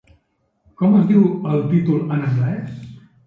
Com es diu el títol en anglès?